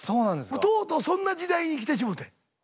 もうとうとうそんな時代に来てしもて。